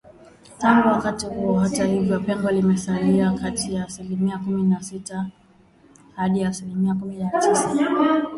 Tangu wakati huo hata hivyo pengo limesalia kati ya asilimia kumi na sita hadi aslimia kumi na tisa